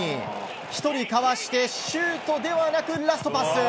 １人かわしてシュートではなくラストパス。